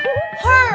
ngomong suka kenceng